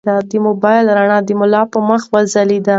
د موبایل رڼا د ملا په مخ وځلېده.